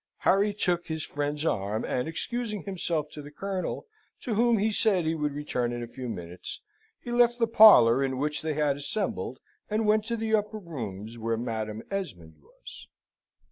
Harry took his friend's arm, and excusing himself to the Colonel, to whom he said he would return in a few minutes, he left the parlour in which they had assembled, and went to the upper rooms, where Madam Esmond was.